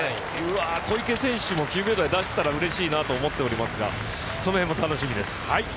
小池選手も９秒台出したらうれしいなと思いますがその辺も楽しみです。